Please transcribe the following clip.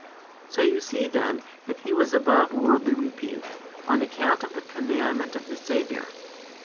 So you see then that he was above worldly repute, on account of the commandment of the Saviour.